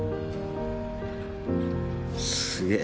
すげえ。